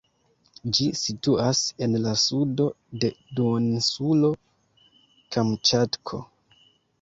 Ĝi situas en la sudo de duoninsulo Kamĉatko.